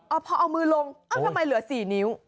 พอเอามือลงเอ้าทำไมเหลือ๔นิ้ว